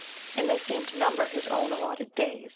— and they eemed to num ber his own allotted day